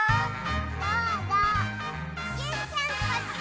どうぞジュンちゃんこっち！